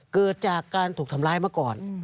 เกิดจากการถูกทำร้ายมาก่อน